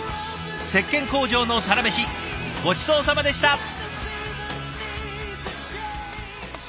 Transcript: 石鹸工場のサラメシごちそうさまでした！